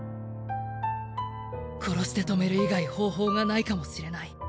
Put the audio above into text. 殺して止める以外方法がないかもしれない。